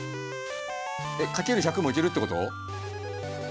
えっ掛ける１００もいけるってこと？